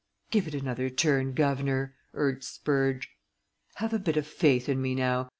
"Give it another turn, guv'nor," urged Spurge. "Have a bit o' faith in me, now!